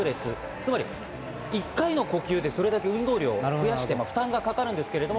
つまり１回の呼吸でそれだけ運動量を増やして負担がかかるんですけれども。